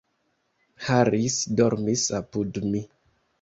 Harris dormis apud mi.